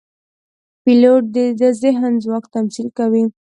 پیلوټ د ذهن ځواک تمثیل کوي.